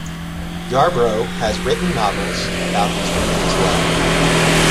Yarbro has written novels about these women as well.